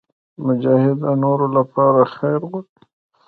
مجاهد د نورو لپاره خیر غواړي.